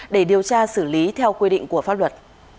để điều tra xử lý theo quy định của pháp luật